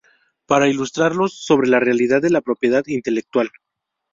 para ilustrarlos sobre la realidad de la propiedad intelectual